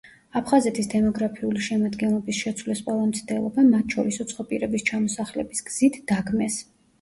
აფხაზეთის დემოგრაფიული შემადგენლობის შეცვლის ყველა მცდელობა, მათ შორის უცხო პირების ჩამოსახლების გზით, დაგმეს.